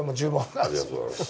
ありがとうございます。